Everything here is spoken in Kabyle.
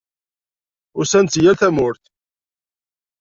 Usan-d si yal tamurt.